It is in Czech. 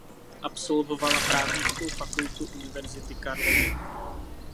Absolvovala Právnickou fakultu Univerzity Karlovy.